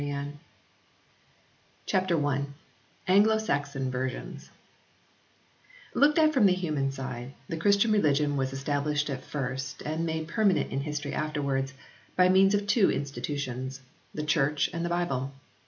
110 CHAPTER I i ANGLO SAXON VERSIONS LOOKED at from the human side the Christian religion was established at first, and made permanent in history afterwards, by means of two institutions the Church and the Bible.